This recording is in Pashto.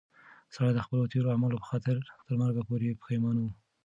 سړی د خپلو تېرو اعمالو په خاطر تر مرګ پورې پښېمانه و.